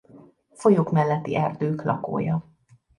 Folyók melletti erdők lakója.